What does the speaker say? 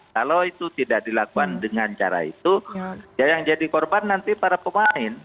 kalau itu tidak dilakukan dengan cara itu ya yang jadi korban nanti para pemain